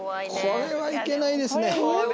これは行けないですね。